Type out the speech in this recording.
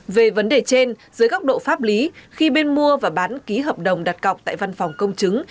về vấn đề trên dưới góc độ pháp lý khi bên mua và bán ký hợp đồng đặt cọc tại văn phòng công chứng